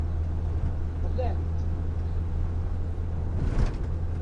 Qlan-t.